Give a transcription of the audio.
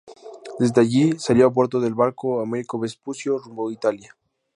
Desde allí, salió a bordo del barco Americo Vespucio rumbo a Italia.